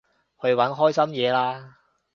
去搵開心嘢吖